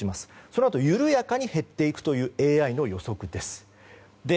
そのあと緩やかに減っていくというＡＩの予測です。